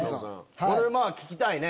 これ聞きたいね。